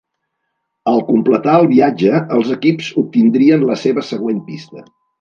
Al completar el viatge, els equips obtindrien la seva següent pista.